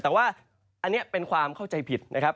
แต่ว่าอันนี้เป็นความเข้าใจผิดนะครับ